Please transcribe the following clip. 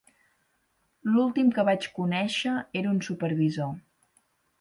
L'últim que vaig conèixer era un supervisor.